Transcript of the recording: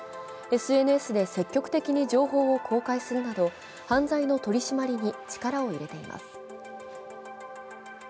ＳＮＳで積極的に情報を公開するなど犯罪の取り締まりに力を入れています。